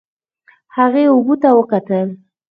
هغې اوبو ته وکتل.